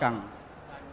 dan begitu dia berjalan